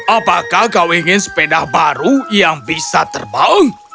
apakah kau ingin sepeda baru yang bisa terbang